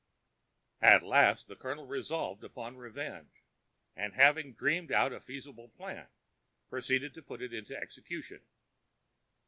At last the Colonel resolved upon revenge, and having dreamed out a feasible plan, proceeded to put it into execution.